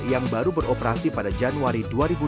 yang baru beroperasi pada januari dua ribu dua puluh